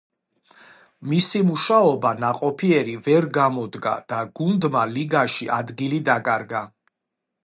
მისი მუშაობა ნაყოფიერი ვერ გამოდგა და გუნდმა ლიგაში ადგილი დაკარგა.